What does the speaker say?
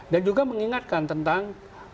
dan juga mengingatkan tentang